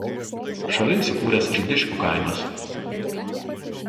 Šalia įsikūręs Žydiškių kaimas.